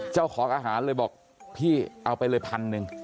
ผู้ขออาหารก็บอกพี่เอาไปเลย๑๐๐๐บาท